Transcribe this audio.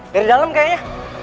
dari dalam kayaknya